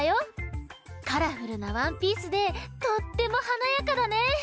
カラフルなワンピースでとってもはなやかだね！